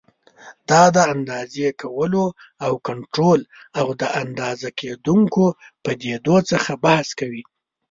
دا د اندازې کولو او کنټرول او د اندازه کېدونکو پدیدو څخه بحث کوي.